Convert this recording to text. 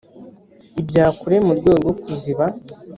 ibya kure mu rwego rwo kuziba